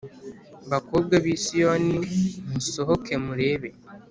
bakobwa b ‘i Siyoni musohoke murebe